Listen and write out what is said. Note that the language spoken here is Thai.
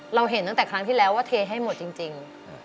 เห็นตั้งแต่ครั้งที่แล้วว่าเทให้หมดจริง